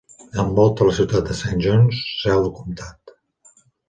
Envolta la ciutat de Saint Johns, seu del comtat.